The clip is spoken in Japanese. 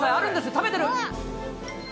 食べてる。